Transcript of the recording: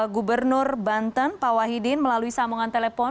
gubernur banten pak wahidin melalui sambungan telepon